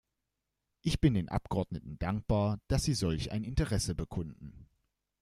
Ich bin den Abgeordneten dankbar, dass sie solch ein Interesse bekunden.